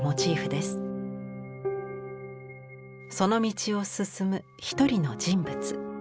その道を進むひとりの人物。